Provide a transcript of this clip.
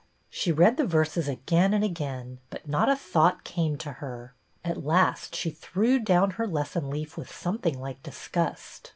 She read the verses again and again, but not a thought came to her. At last she threw down her lesson leaf with something like disgust.